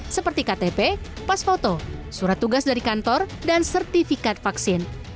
seperti ktp pas foto surat tugas dari kantor dan sertifikat vaksin